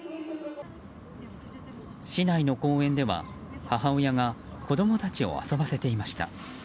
市内の公園では母親が子供たちを遊ばせていました。